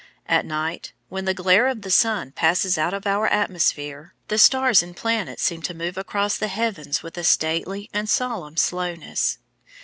At night, when the glare of the sun passes out of our atmosphere, the stars and planets seem to move across the heavens with a stately and solemn slowness.